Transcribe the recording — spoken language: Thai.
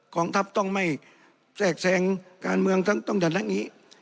กองทัพต้องไม่แทรกแซงการเมืองต้องจัดเรื่องนี้